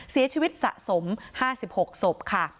เสียชีวิตสะสม๕๖ศพค่ะ